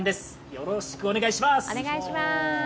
よろしくお願いします。